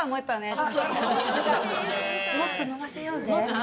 もっと飲ませようぜ。